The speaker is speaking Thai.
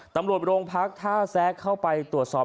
ตำรวจโรงพักท่าแซะเข้าไปตรวจสอบ